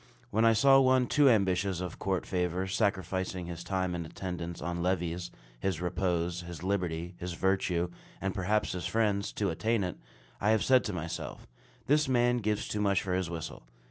When I saw one too ambitious of court favor, sacrificing his time in attendance on levees, his repose, his liberty, his virtue, and perhaps his friends, to attain it, I have said to myself "This man gives too much for his whistle."